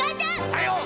さよう！